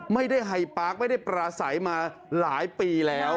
ไม่ได้ไฮปาร์กไม่ได้ปราสัยมาหลายปีแล้ว